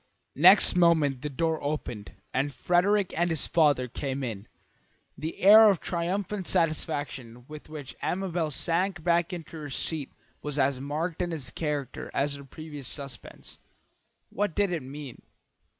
Next moment the door opened, and Frederick and his father came in. The air of triumphant satisfaction with which Amabel sank back into her seat was as marked in its character as her previous suspense. What did it mean?